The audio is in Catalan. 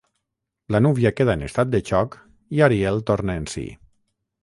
La núvia queda en estat de xoc i Ariel torna en si.